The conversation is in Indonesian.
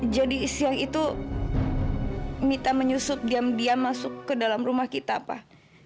jadi siang itu mita menyusut diam diam masuk ke dalam rumah kita pak